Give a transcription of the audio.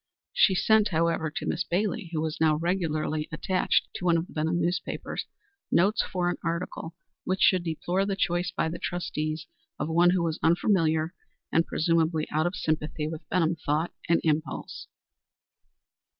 She sent, however, to Miss Bailey, who was now regularly attached to one of the Benham newspapers, notes for an article which should deplore the choice by the trustees of one who was unfamiliar and presumably out of sympathy with Benham thought and impulse.